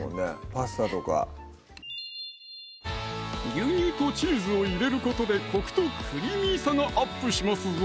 パスタとか牛乳とチーズを入れることでコクとクリーミーさがＵＰしますぞ！